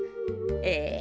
ええ。